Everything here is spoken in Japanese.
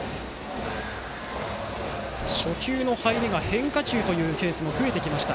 初球の入りが変化球というケースも増えてきました。